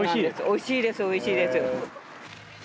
おいしいですおいしいです。